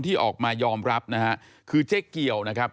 ที่ออกมายอมรับนะฮะคือเจ๊เกียวนะครับ